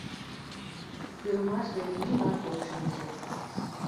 – Пӱрымаш вет нимат ок шинче».